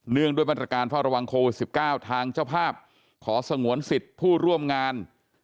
งด้วยมาตรการเฝ้าระวังโควิด๑๙ทางเจ้าภาพขอสงวนสิทธิ์ผู้ร่วมงาน